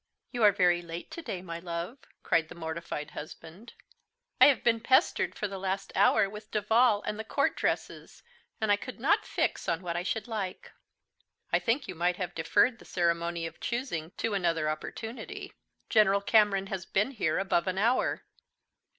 "You are very late to day, my love," cried the mortified husband. "I have been pestered for the last hour with Duval and the court dresses, and I could not fix on what I should like." "I think you might have deferred the ceremony of choosing to another opportunity. General Cameron has been here above an hour."